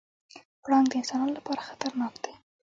پړانګ د انسانانو لپاره خطرناک دی.